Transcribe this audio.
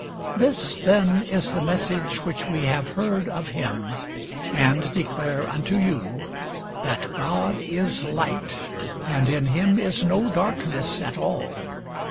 This then is the message which we have heard of him, and declare unto you, that God is light, and in him is no darkness at all.